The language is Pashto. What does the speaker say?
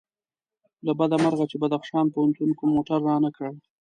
له بده مرغه چې بدخشان پوهنتون کوم موټر رانه کړ.